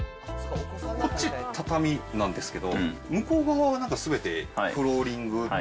こっちが畳なんですけど、向こう側はなんかすべてフローリング。